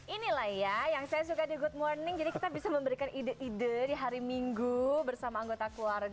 inilah ya yang saya suka di good morning jadi kita bisa memberikan ide ide di hari minggu bersama anggota keluarga